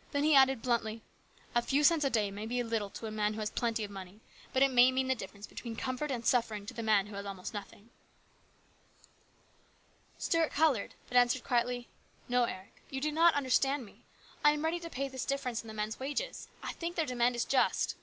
And then he added bluntly :" A few cents a day may be a little to a man who has plenty of money, but it may mean the difference between comfort and suffering to the man who has almost nothing." LARGE RESPONSIBILITIES. 45 Stuart coloured, but answered quietly, "No, Eric, you do not just understand me. I am ready to pay this difference in the men's wages. I think their demand is just."